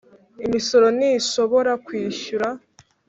Imisoro ntishobora kwishyura